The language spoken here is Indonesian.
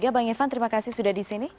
bang irvan terima kasih sudah di sini